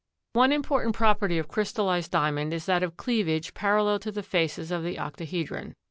173 One important property of crystallized Diamond is that of cleavage parallel to the faces of the octahedron.